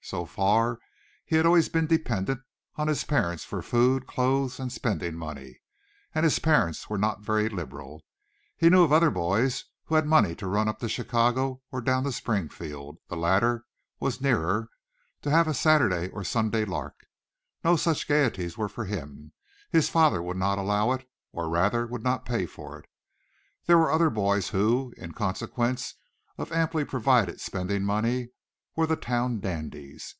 So far he had always been dependent on his parents for food, clothes and spending money, and his parents were not very liberal. He knew other boys who had money to run up to Chicago or down to Springfield the latter was nearer to have a Saturday and Sunday lark. No such gaieties were for him. His father would not allow it, or rather would not pay for it. There were other boys who, in consequence of amply provided spending money, were the town dandies.